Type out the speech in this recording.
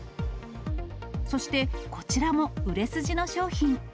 そして、こちらも売れ筋の商品。